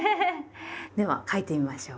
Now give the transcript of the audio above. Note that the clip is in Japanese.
では書いてみましょう。